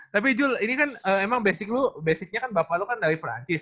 tapi jul ini kan emang basic lo basicnya kan bapak lo kan dari perancis